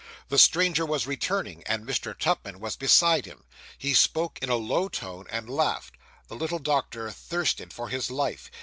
The stranger was returning, and Mr. Tupman was beside him. He spoke in a low tone, and laughed. The little doctor thirsted for his life.